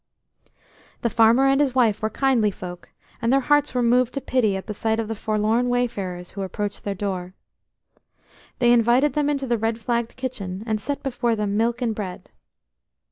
The farmer and his wife were kindly folk, and their hearts were moved to pity at the sight of the forlorn wayfarers who approached their door. They invited them into the red flagged kitchen, and set before them milk and bread.